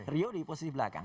rio di posisi belakang